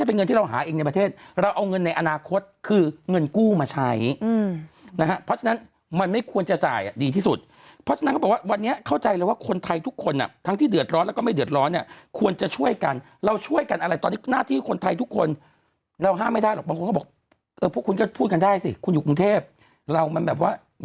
เป็นเงินที่เราหาเองในประเทศเราเอาเงินในอนาคตคือเงินกู้มาใช้นะฮะเพราะฉะนั้นมันไม่ควรจะจ่ายอ่ะดีที่สุดเพราะฉะนั้นเขาบอกว่าวันนี้เข้าใจเลยว่าคนไทยทุกคนอ่ะทั้งที่เดือดร้อนแล้วก็ไม่เดือดร้อนเนี่ยควรจะช่วยกันเราช่วยกันอะไรตอนนี้หน้าที่คนไทยทุกคนเราห้ามไม่ได้หรอกบางคนก็บอกเออพวกคุณก็พูดกันได้สิคุณอยู่กรุงเทพเรามันแบบว่า